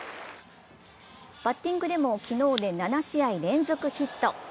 バッティングでも昨日で７試合連続ヒット。